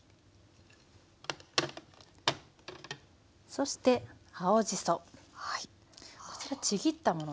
そして青じそこちらちぎったものですね。